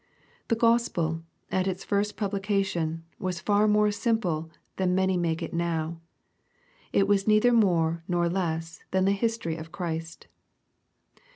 The Gospel, at its first publication, was far more simple than many make it now. It was neither more nor less than the history of Christ.